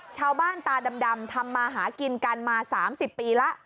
ชาวบ้านตาดำทำมาหากินกันมา๓๐ปีแล้ว